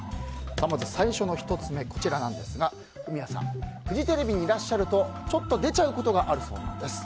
まず最初の１つ目こちらなんですがフミヤさんフジテレビにいらっしゃるとちょっと出ちゃうことがあるそうなんです。